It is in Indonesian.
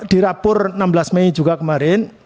di rapur enam belas mei juga kemarin